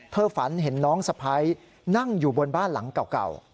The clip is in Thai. ฝันเห็นน้องสะพ้ายนั่งอยู่บนบ้านหลังเก่า